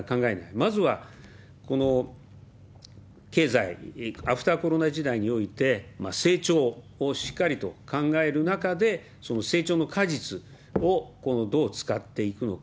まずはこの経済、アフターコロナ時代において、成長をしっかりと考える中で、その成長の果実をどう使っていくのか。